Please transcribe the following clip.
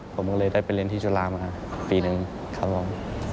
ผมก็เลยได้ไปเล่นที่จุฬามาปีหนึ่งครับผม